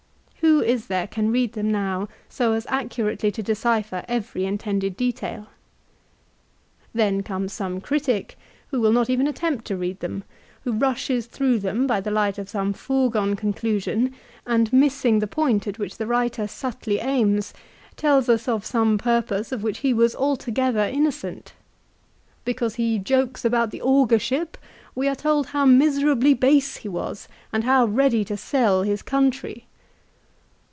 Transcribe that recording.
Who is there can read them now, so as accurately to decipher every intended detail ? Then comes some critic who will not even attempt to read them ; who rushes through them by the light of some foregone conclusion and missing the point at which the writer subtly aims, tells us of some purpose of which he was altogether innocent ! Because he jokes about the augurship we are told how miserably base he was, and how ready to sell his country